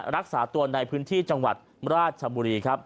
รักษาตัวในพื้นที่จังหวัดราชบุรีครับ